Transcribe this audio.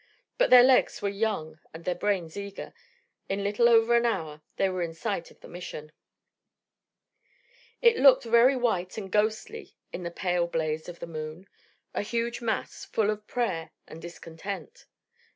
But their legs were young and their brains eager; in little over an hour they were in sight of the Mission. It looked very white and ghostly in the pale blaze of the moon, a huge mass, full of prayer and discontent.